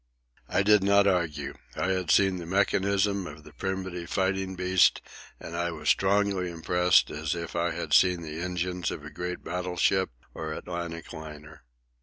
I did not argue. I had seen the mechanism of the primitive fighting beast, and I was as strongly impressed as if I had seen the engines of a great battleship or Atlantic liner.